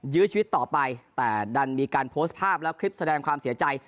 ยื้อชีวิตต่อไปแต่ดันมีการโพสต์ภาพและคลิปแสดงความเสียใจ